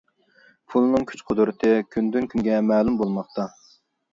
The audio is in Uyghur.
پۇلنىڭ كۈچ-قۇدرىتى كۈندىن كۈنگە مەلۇم بولماقتا.